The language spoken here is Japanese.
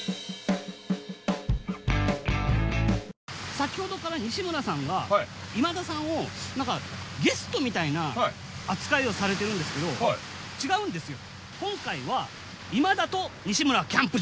先ほどから西村さんが今田さんを何かゲストみたいな扱いをされてるんですけど違うんですよ。